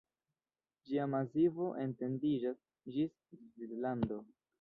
Ĝia masivo etendiĝas ĝis Svislando.